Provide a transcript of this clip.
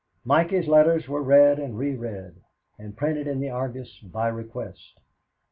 Mikey's letters were read and re read and printed in the Argus "by request."